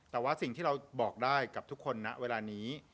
เพราะฉะนั้นเนี่ย